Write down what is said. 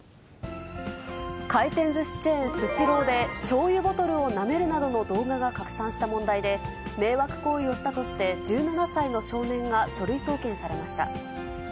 回転ずしチェーン、スシローで、しょうゆボトルをなめるなどの動画が拡散した問題で、迷惑行為をしたとして１７歳の少年が書類送検されました。